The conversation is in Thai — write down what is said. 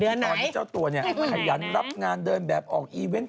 ตอนที่เจ้าตัวเนี่ยขยันรับงานเดินแบบออกอีเวนต์